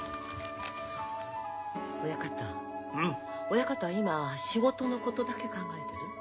親方は今仕事のことだけ考えてる？